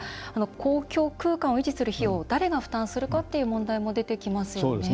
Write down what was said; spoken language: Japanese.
公共空間を維持する費用を誰が負担するかという問題も出てきますよね。